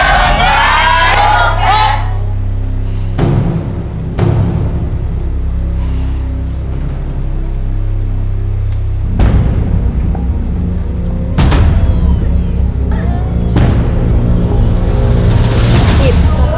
โอเคโอเคโอเคโอเค